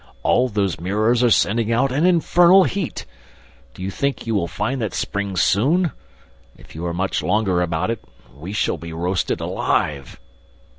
"All those mirrors are sending out an infernal heat! Do you think you will find that spring soon? If you are much longer about it, we shall be roasted alive!"